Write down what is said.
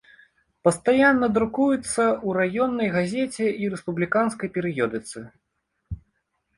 Пастаянна друкуецца ў раённай газеце і рэспубліканскай перыёдыцы.